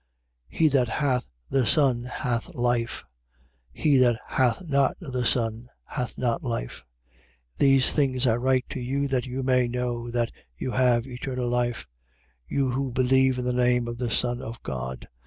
5:12. He that hath the Son hath life. He that hath not the Son hath not life. 5:13. These things I write to you that you may know that you have eternal life: you who believe in the name of the Son of God.